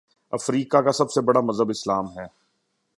افریقہ کا سب سے بڑا مذہب اسلام ہے